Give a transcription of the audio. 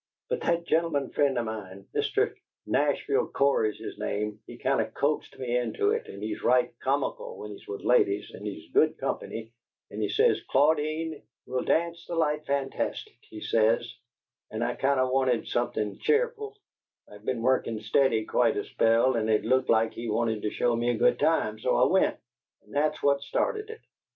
But that gentleman friend of mine Mr. Nashville Cory's his name he kind o' coaxed me into it, and he's right comical when he's with ladies, and he's good company and he says, 'Claudine, we'll dance the light fantastic,' he says, and I kind o' wanted something cheerful I'd be'n workin' steady quite a spell, and it looked like he wanted to show me a good time, so I went, and that's what started it."